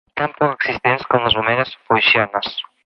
Tan poc existents com les omegues foixianes.